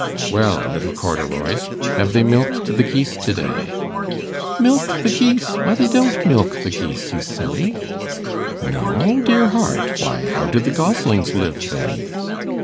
'Well, little Corduroys, have they milked the geese to day?' 'Milked the geese! why, they don't milk the geese, you silly!' 'No! dear heart! why, how do the goslings live, then?